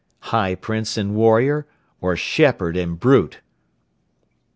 High Prince and warrior or shepherd and brute?"